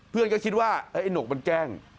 เพื่อนก็คิดว่าไอ้หนกมันแกล้ง